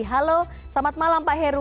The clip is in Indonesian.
halo selamat malam pak heru